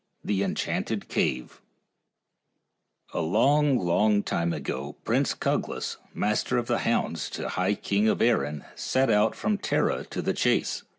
THE ENCHANTED CAVE ALONG, long time ago, Prince Cuglas, 4 master of the hounds to the high King of Erin, set out from Tara to the chase.